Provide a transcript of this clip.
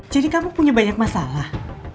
jadi kamu punya banyak masalah